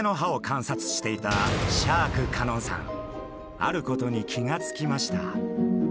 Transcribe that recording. あることに気が付きました。